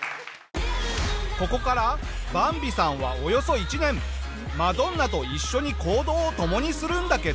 ここからバンビさんはおよそ１年マドンナと一緒に行動を共にするんだけど。